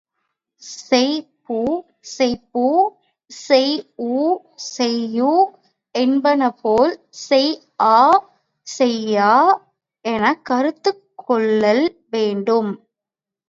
செய் பு செய்பு, செய் ஊ செய்யூ என்பனபோல், செய் ஆ செய்யா எனக் கருத்து கொள்ளல் வேண்டும்.